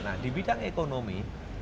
nah di bidang ekonomi